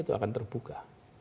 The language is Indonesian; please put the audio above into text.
itu akan terbuka